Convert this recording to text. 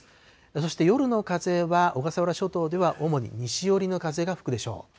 そして夜の風は小笠原諸島では、主に西寄りの風が吹くでしょう。